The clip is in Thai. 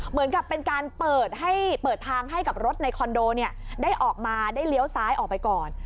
เหมือนกับเป็นการเปิดให้เปิดทางให้กับรถในคอนโดได้ออกมาได้เลี้ยวซ้ายออกไปก่อน